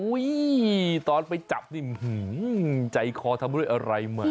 อุ๊ยยตอนไปจับนี่หึมใจคอทำอะไรแหม